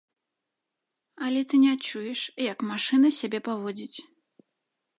Але ты не чуеш, як машына сябе паводзіць.